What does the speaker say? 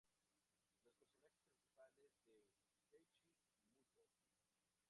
Los personajes principales de Tenchi Muyō!